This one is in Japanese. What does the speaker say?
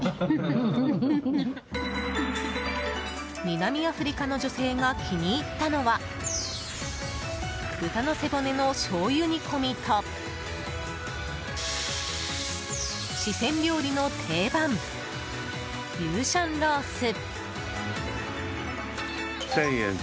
南アフリカの女性が気に入ったのは豚の背骨のしょうゆ煮込みと四川料理の定番ユーシャンロース。